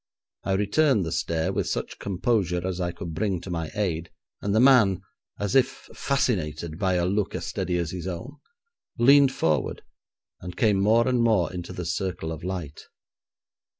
I returned the stare with such composure as I could bring to my aid, and the man, as if fascinated by a look as steady as his own, leaned forward, and came more and more into the circle of light.